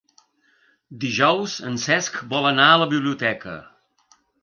Dijous en Cesc vol anar a la biblioteca.